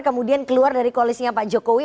kemudian keluar dari koalisnya pak jokowi